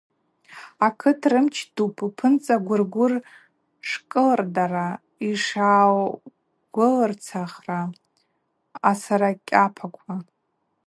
Акыт рымч дупӏ – упынцӏа гвыргвыр шкӏылырдара, йшгӏаугвылырцахра асаракӏьапаква.